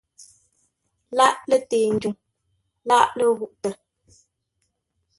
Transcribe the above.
Lâʼ lətəi-ndwuŋ, lâʼ ləghûʼtə.